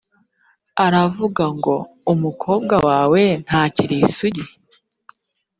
aravuga ngo ’umukobwa wawe ntakiri isugi!